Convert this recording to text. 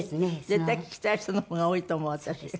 絶対聴きたい人の方が多いと思う私。